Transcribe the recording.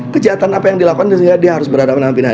kejahatan apa yang dilakukan dia harus berada dengan pidana